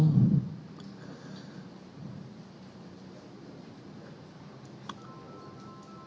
pres rilis dari densus delapan puluh delapan terkait dengan update perkembangan penindakan dan penindakan